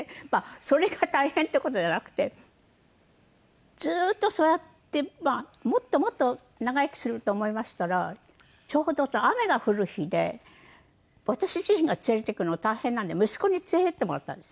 それが大変っていう事じゃなくてずっとそうやってもっともっと長生きすると思いましたらちょうど雨が降る日で私自身が連れて行くのが大変なんで息子に連れて行ってもらったんです。